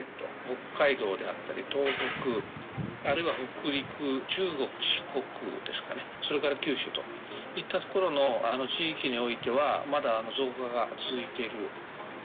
北海道であったり東北、あるいは北陸、中国、四国ですかね、それから九州といった所の地域においては、まだ増加が続いてる。